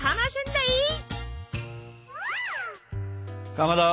かまど。